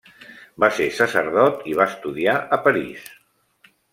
Va ser sacerdot i va estudiar a París.